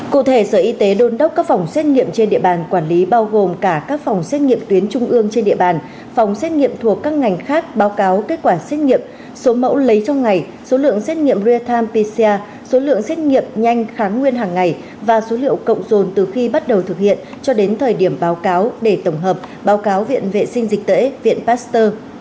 cụ thể sở y tế đôn đốc các phòng xét nghiệm trên địa bàn quản lý bao gồm cả các phòng xét nghiệm tuyến trung ương trên địa bàn phòng xét nghiệm thuộc các ngành khác báo cáo kết quả xét nghiệm số mẫu lấy trong ngày số lượng xét nghiệm retham pcr số lượng xét nghiệm nhanh kháng nguyên hàng ngày và số liệu cộng dồn từ khi bắt đầu thực hiện cho đến thời điểm báo cáo để tổng hợp báo cáo viện vệ sinh dịch tễ viện pasteur